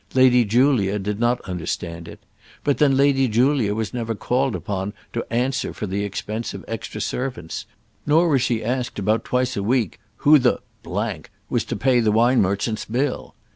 Lady Julia did not understand it; but then Lady Julia was never called upon to answer for the expense of extra servants, nor was she asked about twice a week who the was to pay the wine merchant's bill?